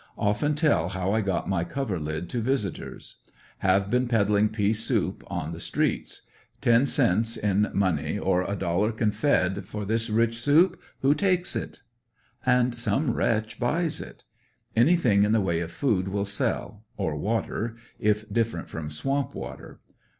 Often tell how I got my cover lid, to visitors. Have been peddling pea soup on the streets: "Ten 74 ANDEB80NYILLE DIARY. cen ts in money O" a dollar Conf ed for this rich soup ! Who takes it?" And some wretch buys it. Anything in the way of food will sell, or water, if different from swamp water.